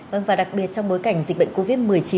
vâng và đặc biệt trong bối cảnh dịch bệnh covid một mươi chín